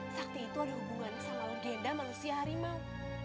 sakti itu ada hubungan sama legenda manusia harimau